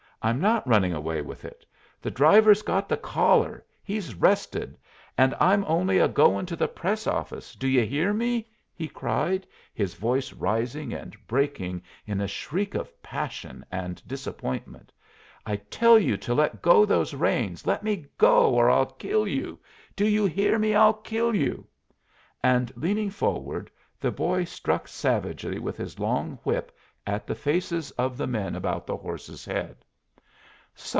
I'm not running away with it. The driver's got the collar he's 'rested and I'm only a going to the Press office. Do you hear me?" he cried, his voice rising and breaking in a shriek of passion and disappointment. "I tell you to let go those reins. Let me go, or I'll kill you. Do you hear me? I'll kill you." And leaning forward, the boy struck savagely with his long whip at the faces of the men about the horse's head.